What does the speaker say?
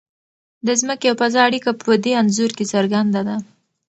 د ځمکې او فضا اړیکه په دې انځور کې څرګنده ده.